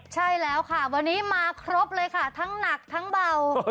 ใช่แล้วค่ะวันนี้มาครบเลยค่ะทั้งหนักทั้งเบา